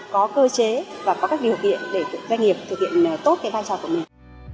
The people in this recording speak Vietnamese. có cơ chế và có các điều kiện để doanh nghiệp thực hiện tốt cái vai trò của mình